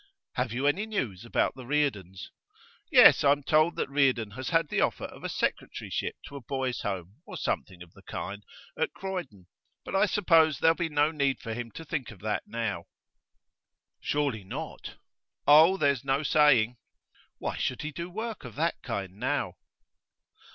'Have you any news about the Reardons?' 'Yes. I am told that Reardon has had the offer of a secretaryship to a boys' home, or something of the kind, at Croydon. But I suppose there'll be no need for him to think of that now.' 'Surely not!' 'Oh there's no saying.' 'Why should he do work of that kind now?